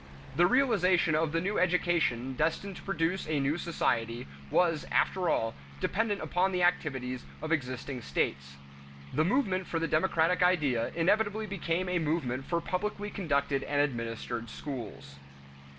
The realization of the new education destined to produce a new society was, after all, dependent upon the activities of existing states. The movement for the democratic idea inevitably became a movement for publicly conducted and administered schools.